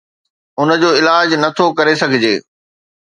ان جو علاج نه ٿو ڪري سگهجي